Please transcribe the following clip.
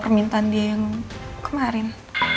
permintaan dia yang kemarin